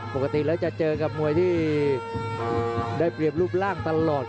ปกติแล้วจะเจอกับมวยที่ได้เปรียบรูปร่างตลอด